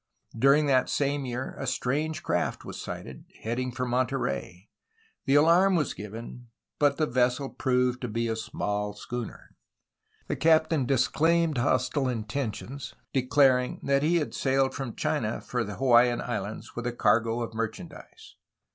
During that same year a strange craft was sighted, heading for Monterey. The alarm was given, but the vessel proved to be a small schooner. The captain dis claimed hostile intentions, declaring that he had sailed from China for the Hawaiian Islands with a cargo of merchandise.